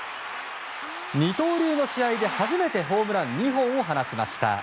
二刀流の試合で初めてホームラン２本を放ちました。